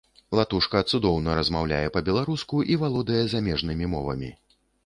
Латушка цудоўна размаўляе па-беларуску і валодае замежнымі мовамі.